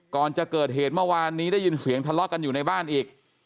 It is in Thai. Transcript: ก่อนจะเกิดเหตุเมื่อวานนี้ได้ยินเสียงทะเลาะกันอยู่ในบ้านอีก